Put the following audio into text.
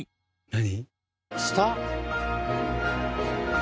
何？